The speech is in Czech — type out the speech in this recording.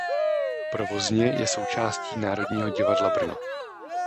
Provozně je součásti Národního divadla Brno.